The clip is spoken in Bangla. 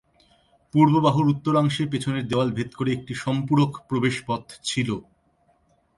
পূর্ব বাহুর উত্তরাংশে পেছনের দেয়াল ভেদ করে একটি সম্পূরক প্রবেশ পথ ছিলো।